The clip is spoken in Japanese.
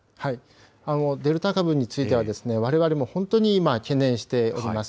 デルタ株については、われわれも本当に今、懸念しております。